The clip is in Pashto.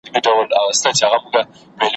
هم مو ځان هم مو ټبر دی په وژلی `